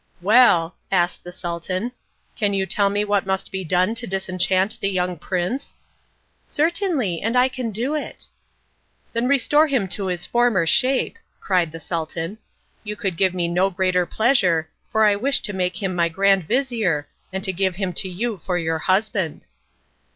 "Well," asked the Sultan, "can you tell me what must be done to disenchant the young prince?" "Certainly; and I can do it." "Then restore him to his former shape," cried the Sultan. "You could give me no greater pleasure, for I wish to make him my grand vizir, and to give him to you for your husband."